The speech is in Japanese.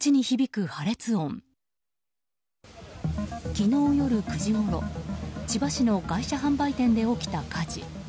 昨日夜９時ごろ千葉市の外車販売店で起きた火事。